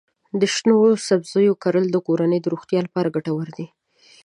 د شنو سبزیو کرل د کورنۍ د روغتیا لپاره ګټور دي.